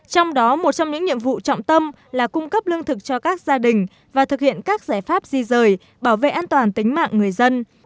trong đó một trong những nhiệm vụ trọng tâm là cung cấp lương thực cho các gia đình và thực hiện các giải pháp di rời bảo vệ an toàn tính mạng người dân